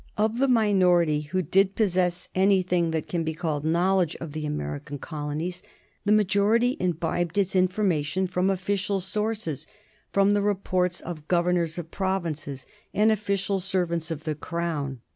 Of the minority who did possess anything that can be called knowledge of the American colonies, the majority imbibed its information from official sources, from the reports of governors of provinces and official servants of the Crown.